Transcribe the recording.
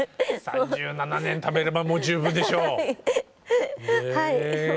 ３７年ためればもう十分でしょう。